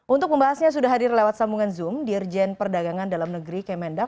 untuk membahasnya sudah hadir lewat sambungan zoom dirjen perdagangan dalam negeri kemendak